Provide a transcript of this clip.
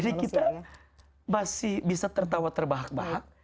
jadi kita masih bisa tertawa terbahak bahak